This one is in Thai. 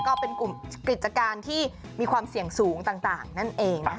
ก็เป็นกลุ่มกิจการที่มีความเสี่ยงสูงต่างนั่นเองนะคะ